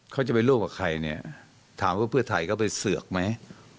เขาจะไปร่วมกับใครเนี่ยถามว่าเพื่อไทยก็ไปเสือกไหม